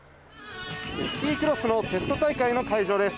スキークロスのテスト大会の会場です。